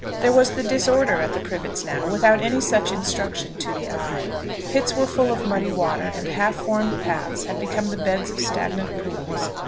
There was the disorder at the Privets now without any such instruction to the eye. Pits were full of muddy water, and half formed paths had become the beds of stagnant pools.